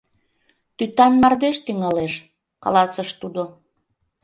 — Тӱтан мардеж тӱҥалеш, — каласыш тудо.